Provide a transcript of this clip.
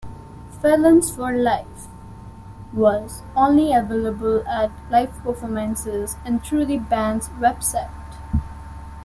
"Felons for Life" was only available at live performances and through the band's website.